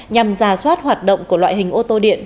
nhằm giả soát hoạt động của loại hình ô tô điện